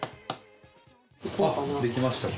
できましたか？